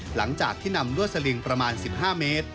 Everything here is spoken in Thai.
หลังจากที่นำลวดสลิงประมาณ๑๕เมตร